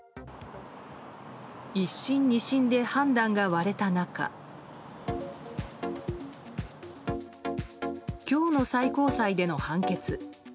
１審、２審で判断が割れた中今日の最高裁での判決。